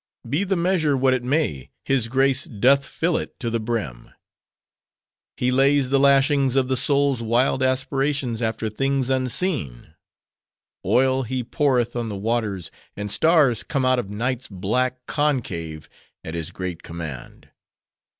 Be the measure what it may, his grace doth fill it to the brim. He lays the lashings of the soul's wild aspirations after things unseen; oil he poureth on the waters; and stars come out of night's black concave at his great command.